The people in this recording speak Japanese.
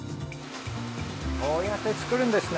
こうやって作るんですね。